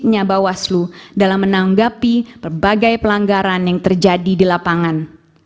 tanya bawaslu dalam menanggapi berbagai pelanggaran yang terjadi di lapangan